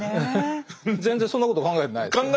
全然そんなこと考えてないです。